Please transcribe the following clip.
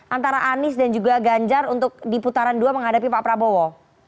antara anies dan juga ganjar untuk di putaran dua menghadapi pak prabowo